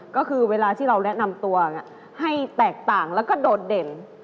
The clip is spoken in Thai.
ก็คือเวลาที่เราแนะนำตัวให้แตกต่างแล้วก็โดดเด่น